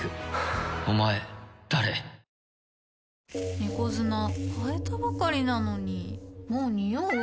猫砂替えたばかりなのにもうニオう？